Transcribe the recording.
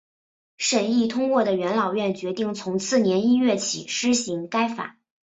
审议通过的元老院决定从次年一月起施行该法。